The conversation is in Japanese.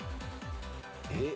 えっ？